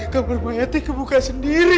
kamar mayatnya kebuka sendiri